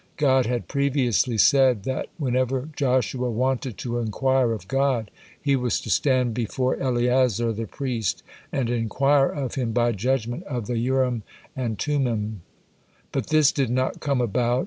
God had previously said that whenever Joshua wanted to inquire of God, he was "to stand before Eleazar the priest, and inquire of him by judgement of the Urim and Tummin." But this did not come about.